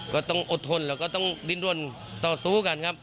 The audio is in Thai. ก็ต้องอดทนแล้วก็ต้องดินรนต่อสู้กันครับ